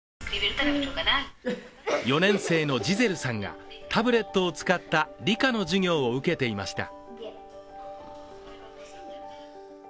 ４年生のジゼルさんがタブレットを使った理科の授業を受けていました。